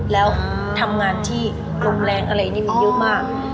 แล้วทำงานที่ลมแรงอะไรนี่มันเยอะมาก